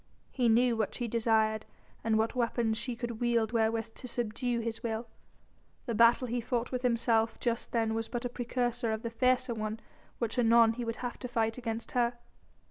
He knew what she desired and what weapons she could wield wherewith to subdue his will. The battle he fought with himself just then was but a precursor of the fiercer one which anon he would have to fight against her.